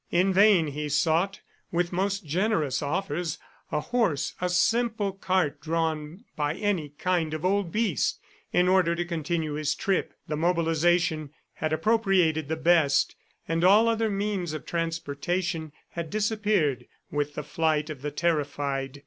In vain he sought, with most generous offers, a horse, a simple cart drawn by any kind of old beast, in order to continue his trip. The mobilization had appropriated the best, and all other means of transportation had disappeared with the flight of the terrified.